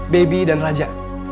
baby dan raja